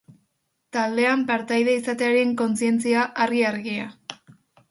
Taldean partaide izatearen kontzientzia argi-argia.